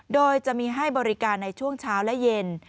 โดยจะมีให้บริการในช่วงเช้าและเย็น